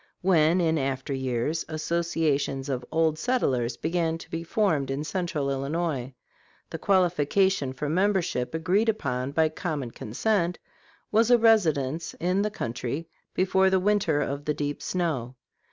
When, in after years, associations of "Old Settlers" began to be formed in Central Illinois, the qualification for membership agreed upon by common consent was a residence in the country before "the winter of the deep snow."